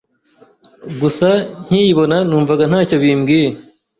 gusa nkiyibona numvaga ntacyo bimbwiye